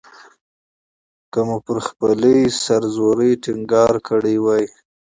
که مو پر خپلې سر زورۍ ټینګار کړی وای.